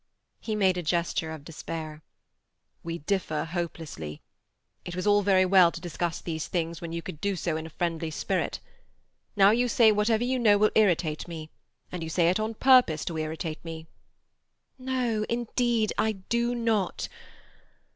He made a gesture of despair. "We differ hopelessly. It was all very well to discuss these things when you could do so in a friendly spirit. Now you say whatever you know will irritate me, and you say it on purpose to irritate me." "No; indeed I do not.